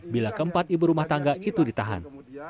bila keempat ibu rumah tangga itu ditahan